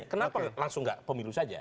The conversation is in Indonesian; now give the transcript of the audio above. kenapa langsung nggak pemilu saja